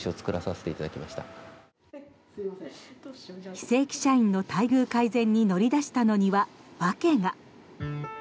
非正規社員の待遇改善に乗り出したのには訳が。